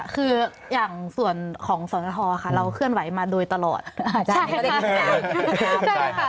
คือว่าเราจะเคลื่อนไหวอะไรยังไง